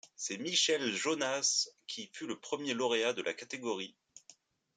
C'est Michel Jonasz qui fut le premier lauréat de la catégorie.